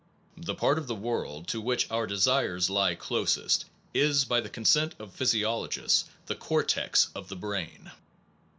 The part of the world to which our desires lie closest is, by the consent of physiologists, the cortex of the brain.